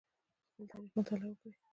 د خپل تاریخ مطالعه وکړئ.